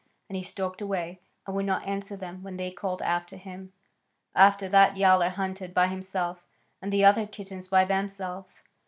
And he stalked away, and would not answer them when they called after him. After that Yowler hunted by himself, and the other kittens by themselves.